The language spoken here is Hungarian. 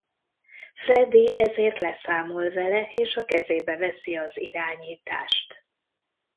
Freddie ezért leszámol vele és a kezébe veszi az irányítást.